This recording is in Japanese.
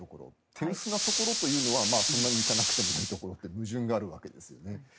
手薄なところというのはそんなに行かなくてもいいところと矛盾があるわけですよね。